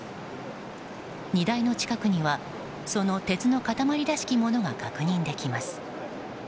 荷台の近くにはその鉄の塊らしきものが確認できます。